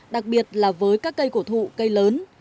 đặc biệt là với các cây cổ thụ cây lớn